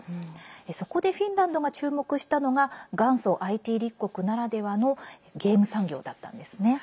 そこでフィンランドが注目したのが元祖ＩＴ立国ならではのゲーム産業だったんですね。